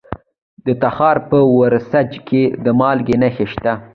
د تخار په ورسج کې د مالګې نښې شته.